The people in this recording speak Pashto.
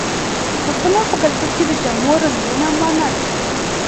د پښتنو په کلتور کې د جامو رنګونه مانا لري.